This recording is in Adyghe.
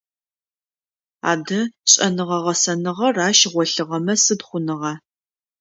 Адэ, шӏэныгъэ-гъэсэныгъэр ащ голъыгъэмэ сыд хъуныгъа?